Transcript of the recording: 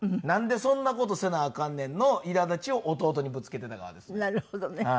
なんでそんな事せなあかんねんのいらだちを弟にぶつけてた側ですね。